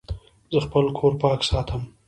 زه خپل کور پاک ساتم.